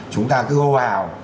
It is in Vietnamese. chúng ta cứ vào